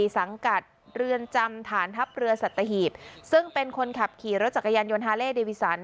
สังกัดเรือนจำฐานทัพเรือสัตหีบซึ่งเป็นคนขับขี่รถจักรยานยนต์ฮาเล่เดวิสัน